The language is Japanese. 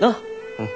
うん。